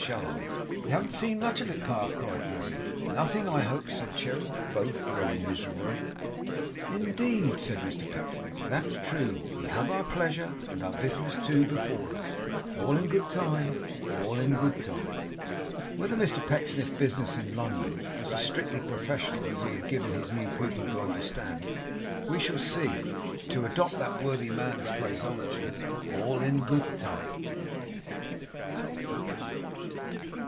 Shall I?' 'We haven't seen much of it, Pa!' cried Merry. 'Nothing, I hope,' said Cherry. (Both very miserably.) 'Indeed,' said Mr Pecksniff, 'that's true. We have our pleasure, and our business too, before us. All in good time. All in good time!' Whether Mr Pecksniff's business in London was as strictly professional as he had given his new pupil to understand, we shall see, to adopt that worthy man's phraseology, 'all in good time.